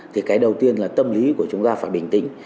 thì cái đầu tiên là tâm lý của chúng ta phải bình tĩnh